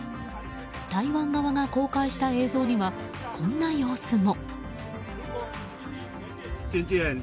台湾側が公開した映像にはこんな様子も。